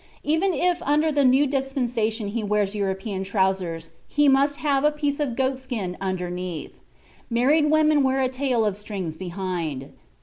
Even if under the new dispensation he wears European trousers, he must have a piece of goat's skin underneath. Married women wear a tail of strings behind."